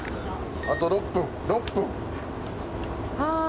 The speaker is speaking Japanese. あと６分６分！